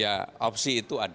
ya opsi itu ada